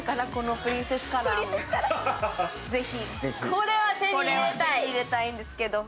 これは手に入れたいんですけど。